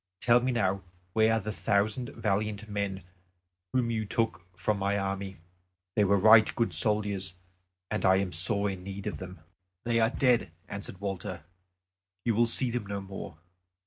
Tell me now where are the thousand valiant men whom you took from my army. They were right good soldiers, and I am in sore need of them." "They are dead," answered Walter; "you will see them no more.